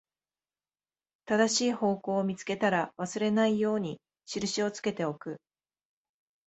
正しい方向を見つけたら、忘れないように印をつけておく